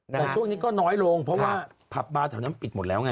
แต่ช่วงนี้ก็น้อยลงเพราะว่าผับบาร์แถวนั้นปิดหมดแล้วไง